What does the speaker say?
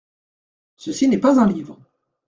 Ceci n’est pas un livre.